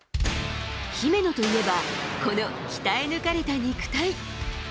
姫野といえば、この鍛え抜かれた肉体。